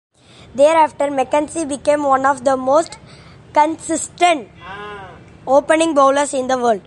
Thereafter McKenzie became one of the most consistent opening bowlers in the world.